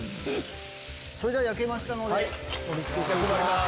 それでは焼けましたので盛り付けしていきます。